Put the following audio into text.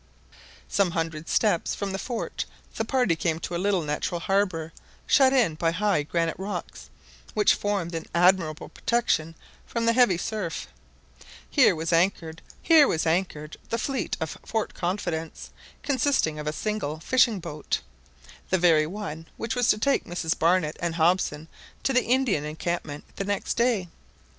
Some hundred steps from the fort the party came to a little natural harbour shut in by high granite rocks, which formed an admirable protection from the heavy surf. Here was anchored the fleet of Fort Confidence, consisting of a single fishing boat—the very one which was to take Mrs Barnett and Hobson to the Indian encampment the next day.